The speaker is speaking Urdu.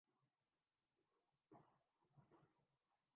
یہ بھی صریحا مذاق ہے۔